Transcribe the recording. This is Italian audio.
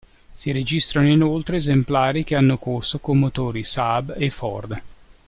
Si registrano inoltre, esemplari che hanno corso con motori Saab e Ford.